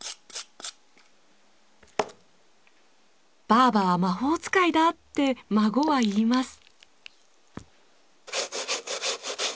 ばあばは魔法使いだって孫は言います。